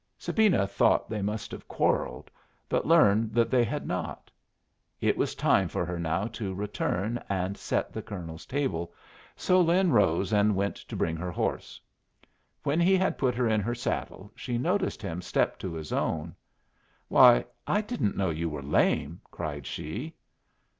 Sabina thought they must have quarrelled, but learned that they had not. It was time for her now to return and set the colonel's table, so Lin rose and went to bring her horse. When he had put her in her saddle she noticed him step to his own. "Why, I didn't know you were lame!" cried she.